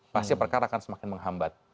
pasti perkara akan semakin menghambat